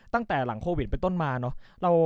ตั้งแต่หลังโควิดเป็นต้นมาเนอะ